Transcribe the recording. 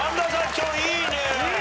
今日いいね！